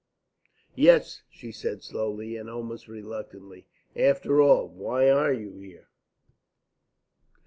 "Yes," she said slowly, and almost reluctantly. "After all, why are you here?"